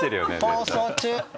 放送中。